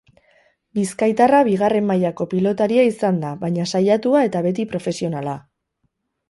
Bizkaitarra bigarren mailako pilotaria izan da baina saiatua eta beti profesionala.